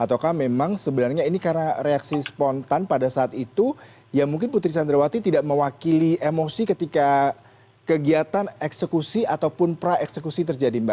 ataukah memang sebenarnya ini karena reaksi spontan pada saat itu ya mungkin putri sandrawati tidak mewakili emosi ketika kegiatan eksekusi ataupun pra eksekusi terjadi mbak